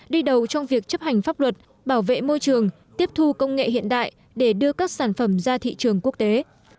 đi đầu trong việc chấp hành pháp luật bảo vệ môi trường tiếp thu công nghệ hiện đại để đưa các sản phẩm ra thị trường quốc tế